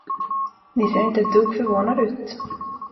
Ni ser inte ett dugg förvånad ut?